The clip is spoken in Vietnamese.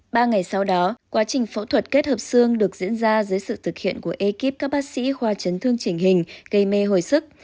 ba ngày sau đó quá trình phẫu thuật kết hợp xương được diễn ra dưới sự thực hiện của ekip các bác sĩ khoa chấn thương chỉnh hình gây mê hồi sức